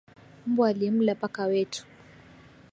Mbwa alimla paka wetu